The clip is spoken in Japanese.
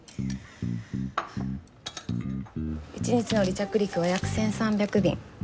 一日の離着陸は約１３００便。